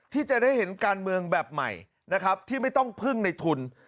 ที่จะได้เห็นการเมืองแบบใหม่นะครับที่ไม่ต้องพึ่งในทุน